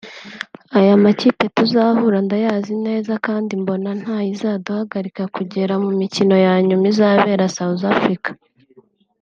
“ aya makipe tuzahura ndayazi neza kandi mbona ntayizaduhagarika kugera mu mikino ya nyuma izabera South Africa”